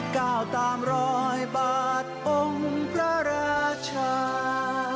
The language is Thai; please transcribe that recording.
ก้าวตามรอยบาทองค์พระราชา